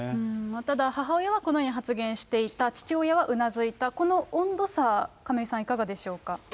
ただ母親はこのように発言していた、父親はうなずいた、この温度差、亀井さん、いかがでしょうか。